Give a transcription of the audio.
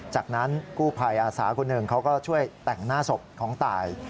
จากนั้นกู้ภัยอาสาคนหนึ่งเขาก็ช่วยแต่งหน้าศพของตาย